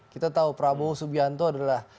kita tahu prabowo subianto adalah